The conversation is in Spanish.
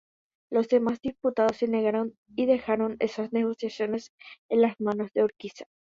Los demás diputados se negaron, y dejaron esas negociaciones en manos de Urquiza.